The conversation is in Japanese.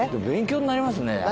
勉強になりますね。